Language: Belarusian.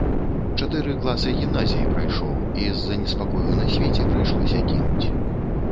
Чатыры класы гімназіі прайшоў, і з-за неспакою на свеце прыйшлося кінуць.